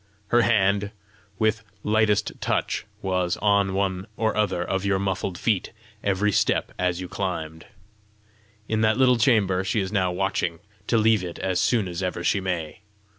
Her hand, with lightest touch, was on one or other of your muffled feet, every step as you climbed. In that little chamber, she is now watching to leave it as soon as ever she may."